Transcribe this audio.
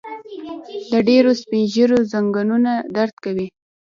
د ډيرو سپين ږيرو ځنګنونه درد کوي.